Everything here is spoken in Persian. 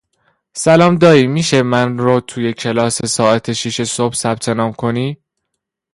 سلام دایی میشه من رو توی کلاس ساعت شیش صبح ثبت نام کنی؟